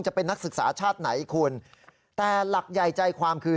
จะเป็นนักศึกษาชาติไหนคุณแต่หลักใหญ่ใจความคือ